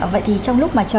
vậy thì trong lúc mà chờ